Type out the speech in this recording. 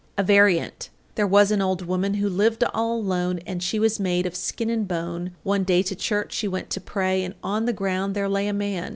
A variant, There was an old woman who lived all alone, And she was made of skin and bone. One day to church she went to pray, And on the ground there lay a man.